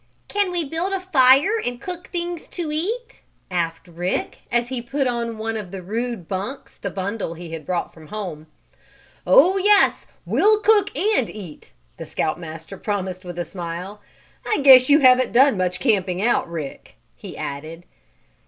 "Can we build a fire and cook things to eat?" asked Rick, as he put on one of the rude bunks the bundle he had brought from home. "Oh, yes, we'll cook and eat," the Scout Master promised with a smile. "I guess you haven't done much camping out, Rick," he added.